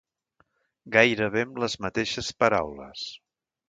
Gairebé amb les mateixes paraules